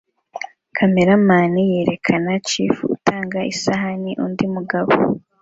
Kameraman yerekana chef utanga isahani undi mugabo